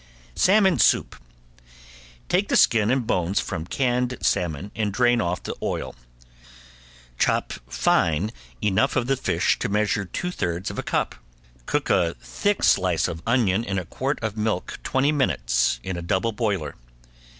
~SALMON SOUP~ Take the skin and bones from canned salmon and drain off the oil. Chop fine enough of the fish to measure two thirds of a cup. Cook a thick slice of onion in a quart of milk twenty minutes in a double boiler.